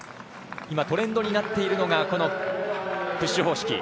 今、トレンドになっているのがプッシュ方式。